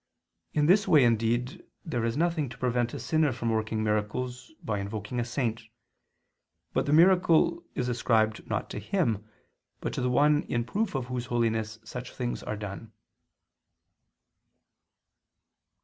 In this way indeed there is nothing to prevent a sinner from working miracles by invoking a saint; but the miracle is ascribed not to him, but to the one in proof of whose holiness such things are done.